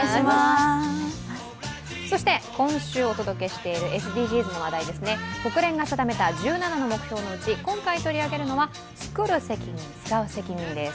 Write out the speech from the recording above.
そして今週お届けしているＳＤＧｓの話題ですね国連が定めた１７の目標のうち今回取り上げるのは「つくる責任つかう責任」です。